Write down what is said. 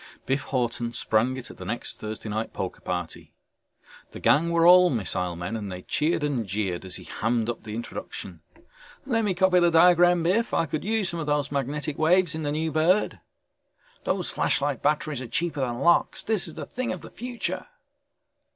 Biff Hawton sprang it at the next Thursday night poker party. The gang were all missile men and they cheered and jeered as he hammed up the introduction. "Let me copy the diagram, Biff, I could use some of those magnetic waves in the new bird!" "Those flashlight batteries are cheaper than lox, this is the thing of the future!"